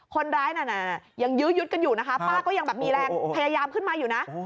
คนร้ายน่ะยังยื้อยุดกันอยู่นะคะป้าก็ยังแบบมีแรงพยายามขึ้นมาอยู่นะ